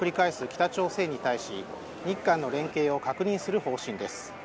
北朝鮮に対し日韓の連携を確認する方針です。